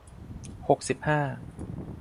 หกสิบห้า